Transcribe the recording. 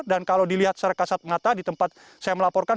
dan kalau dilihat secara kasat mata di tempat saya melaporkan